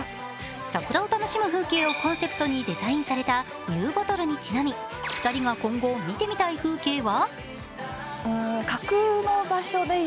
桜を楽しむ風景をコンセプトにデザインされたニューボトルにちなみ２人が今後見てみたい風景は？